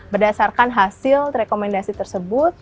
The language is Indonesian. berdasarkan hasil rekomendasi tersebut